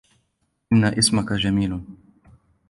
إن اسمك جميل.